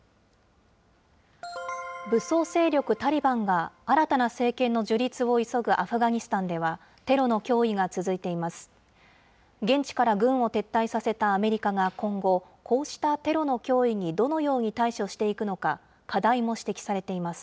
武装勢力タリバンが新たな政権の樹立を急ぐアフガニスタンでは、テロの脅威が続いています。